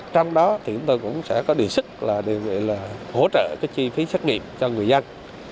trong đó thì chúng tôi cũng sẽ có điều sức là điều kiện là hỗ trợ cái chi phí xét nghiệm cho người dân